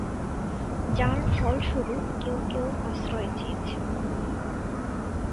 যার ফলস্বরূপ কেউ কেউ আশ্রয় চেয়েছেন।